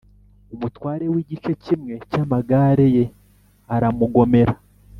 umutware w’igice kimwe cy’amagare ye aramugomera